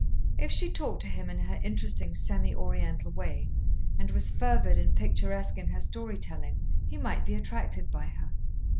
If she talked to him in her interesting semi Oriental way, and was fervid and picturesque in her storytelling, he might be attracted by her.